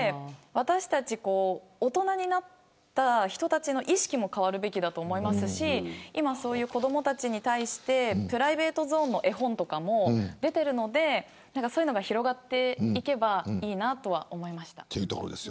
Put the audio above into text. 大人になった人たちの意識も変わるべきだと思いますし子どもたちに対してプライベートゾーンの絵本とかも出ているのでそういうのが広がっていけばいいなと思いました。